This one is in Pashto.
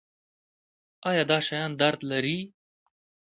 ایا دا شیان درد لري؟